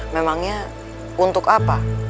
memangnya untuk apa